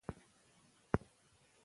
د ماشوم د خوړو مهال پاک لاسونه شرط دي.